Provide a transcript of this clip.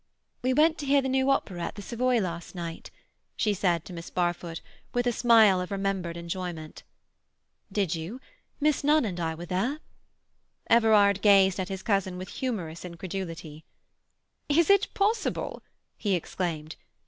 "We went to hear the new opera at the Savoy last night," she said to Miss Barfoot, with a smile of remembered enjoyment. "Did you? Miss Nunn and I were there." Everard gazed at his cousin with humorous incredulity. "Is it possible?" he exclaimed.